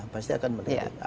pasti akan melihat